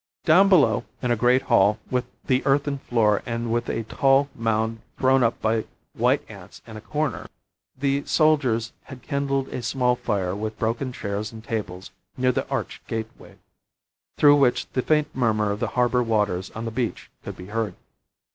Down below, in a great hall, with the earthen floor and with a tall mound thrown up by white ants in a corner, the soldiers had kindled a small fire with broken chairs and tables near the arched gateway, through which the faint murmur of the harbour waters on the beach could be heard.